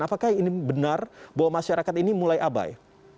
apakah ini benar bahwa masyarakat ini mulai abai